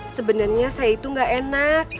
sebenarnya saya itu gak enak